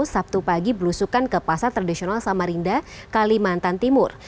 sabtu pagi berusukan ke pasar tradisional samarinda kalimantan timur